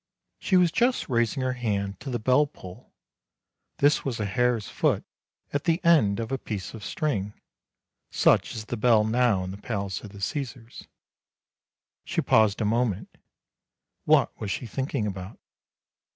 She was just raising her hand to the bell pull, this was a hare's foot at the end of a piece of string, such is the bell now in the palace of the Caesars. She paused a moment — what was she thinking about?